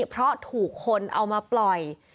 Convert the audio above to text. เพราะถูกคนเอามาปล่อย